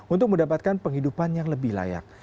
untuk mendapatkan penghidupan yang lebih layak